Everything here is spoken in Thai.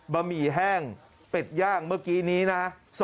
หมี่แห้งเป็ดย่างเมื่อกี้นี้นะ